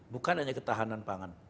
bukan hanya ketahanan pangan